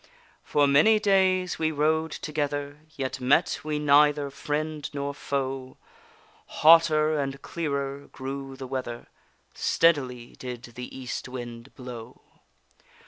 For many days we rode together, Yet met we neither friend nor foe; Hotter and clearer grew the weather, Steadily did the East wind blow.